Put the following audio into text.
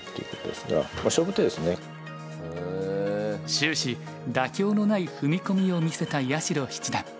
終始妥協のない踏み込みを見せた八代七段。